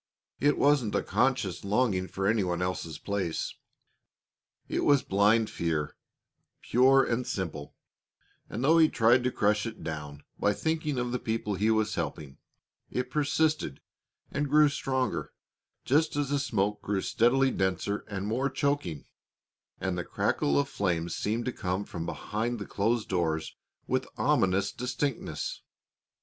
It wasn't a conscious longing for any one else's place. It was blind fear, pure and simple; and though he tried to crush it down by thinking of the people he was helping, it persisted and grew stronger, just as the smoke grew steadily denser and more choking, and the crackle of flames seemed to come from behind the closed doors with ominous distinctness.